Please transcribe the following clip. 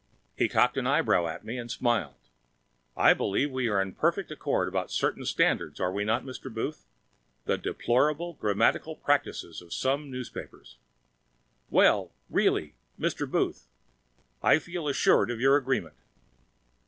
He cocked an eyebrow at me and smiled. "I believe we are in perfect accord about certain standards, are we not, Mr. Booth? The deplorable grammatical practices of some newspapers! Well, really, Mr. Booth! I feel assured of your agreement!"